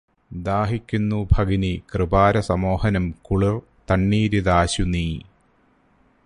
ദാഹിക്കുന്നു ഭഗിനീ, കൃപാരസമോഹനം കുളിർ തണ്ണീരിതാശു നീ.